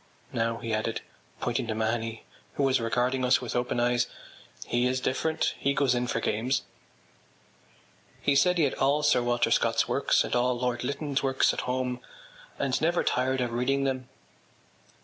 Now,” he added, pointing to Mahony who was regarding us with open eyes, “he is different; he goes in for games.” He said he had all Sir Walter Scott’s works and all Lord Lytton’s works at home and never tired of reading them.